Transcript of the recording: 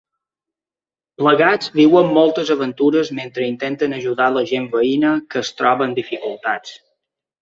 Plegats viuen moltes aventures mentre intenten ajudar la gent veïna que es troba amb dificultats.